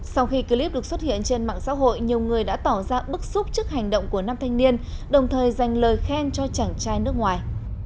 sau khi clip được xuất hiện trên mạng xã hội nhiều người đã tỏ ra bức xúc trước hành động của nam thanh niên đồng thời dành lời khen cho chàng trai nước ngoài